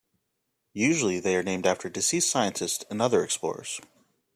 Usually they are named after deceased scientists and other explorers.